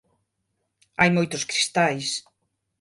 Hai moitos cristais.